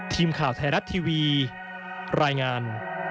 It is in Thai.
ทีมข่าวไทยรัฐทีวีรายงาน